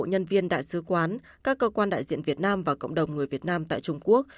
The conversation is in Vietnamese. nhân viên đại sứ quán các cơ quan đại diện việt nam và cộng đồng người việt nam tại trung quốc